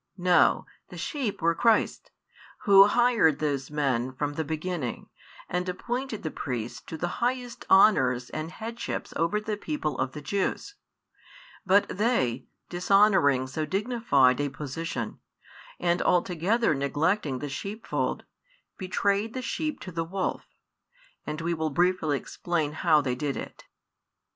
No: the sheep were Christ's, Who hired those men from the beginning, and appointed the priests to the highest honours and headships over the people of the Jews: but they, [dishonouring] so dignified [a position], and altogether neglecting the sheepfold, betrayed the sheep to the wolf, and we will briefly explain how they did it.